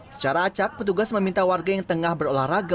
secara acak petugas meminta warga yang tengah berolahraga